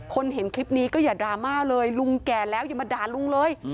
เห็นคลิปนี้ก็อย่าดราม่าเลยลุงแก่แล้วอย่ามาด่าลุงเลย